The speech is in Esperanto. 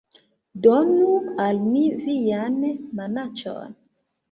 Donu al mi vian manaĉon